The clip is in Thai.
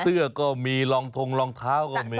เสื้อก็มีรองทงรองเท้าก็มี